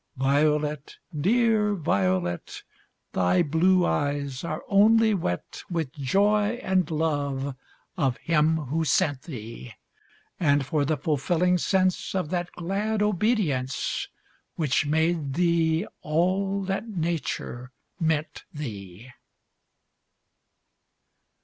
Violet! dear violet! Thy blue eyes are only wet With joy and love of him who sent thee, And for the fulfilling sense Of that glad obedience Which made thee all that Nature meant thee!